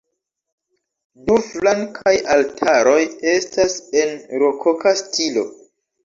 Du flankaj altaroj estas en rokoka stilo.